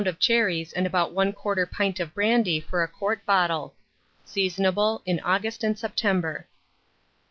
of cherries and about 1/4 pint of brandy for a quart bottle. Seasonable in August and September.